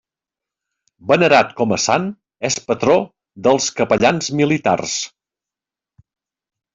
Venerat com a sant, és patró dels capellans militars.